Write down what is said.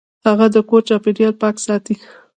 هغه د کور چاپیریال پاک ساته.